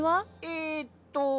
えっと。